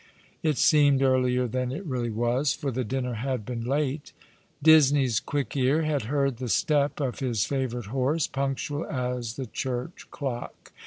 It seemed earlier than it really was, for the dinner had been late. Disney's quick ear had heard the step of his favourite horse, punctual as the church clock.